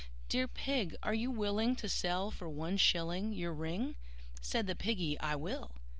III. "Dear Pig, are you willing to sell for one shilling Your ring?" Said the Piggy, "I will."